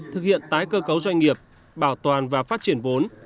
thực hiện tái cơ cấu doanh nghiệp bảo toàn và phát triển vốn